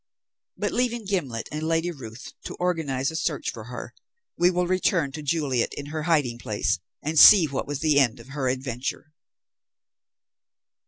But leaving Gimblet and Lady Ruth to organize a search for her, we will return to Juliet in her hiding place and see what was the end of her adventure.